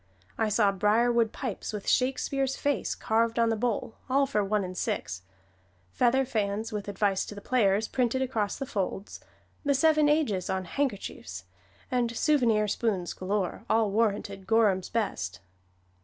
I saw briarwood pipes with Shakespeare's face carved on the bowl, all for one and six; feather fans with advice to the players printed across the folds; the "Seven Ages" on handkerchiefs; and souvenir spoons galore, all warranted Gorham's best.